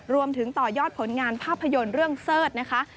ต่อยอดผลงานภาพยนตร์เรื่องเสิร์ธนะคะ